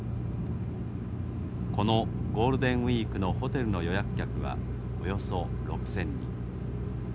このゴールデンウイークのホテルの予約客はおよそ６，０００人。